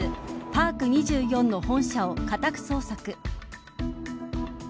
パーク２４の本社を家宅捜索。